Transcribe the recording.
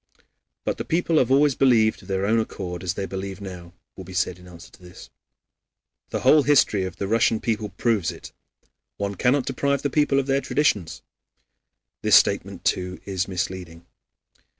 "But the people have always believed of their own accord as they believe now," will be said in answer to this. "The whole history of the Russian people proves it. One cannot deprive the people of their traditions." This statement, too, is misleading.